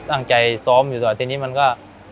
ตั้งใจซ้อมอยู่ต่อทีนี้มันก็